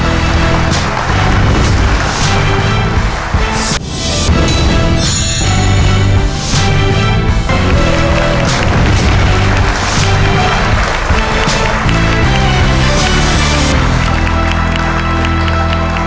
และภาษาก่อน